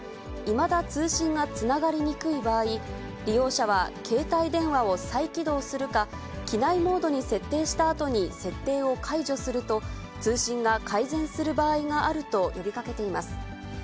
いまだ、通信がつながりにくい場合、利用者は携帯電話を再起動するか、機内モードに設定したあとに設定を解除すると、通信が改善する場合があると呼びかけています。